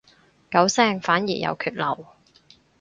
九聲反而有缺漏